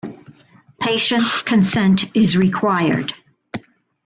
Patient consent is required.